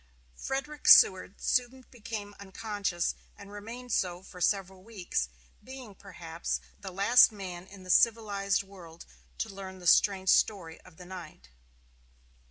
Frederick Seward soon became unconscious, and remained so for several weeks, being, perhaps, the last man in the civilized world to learn the strange story of the night.